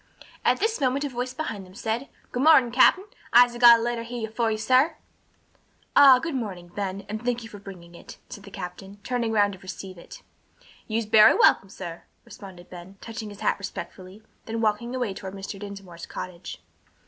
At this moment a voice behind them said, "Good mornin', cap'n. I'se got a lettah hyah for you, sah." "Ah, good morning, Ben, and thank you for bringing it," said the captain, turning round to receive it. "You's bery welcom, sah," responded Ben, touching his hat respectfully, then walking away toward Mr. Dinsmore's cottage.